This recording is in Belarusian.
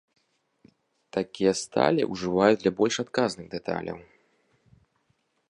Такія сталі ўжываюць для больш адказных дэталяў.